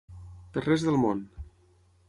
Per res del món.